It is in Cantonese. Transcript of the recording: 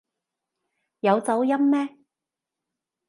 有走音咩？